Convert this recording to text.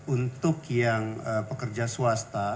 untuk yang pekerja swasta